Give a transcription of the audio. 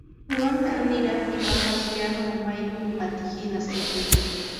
Wankarniraq, imapas llañu umayuq matihina sikiyuq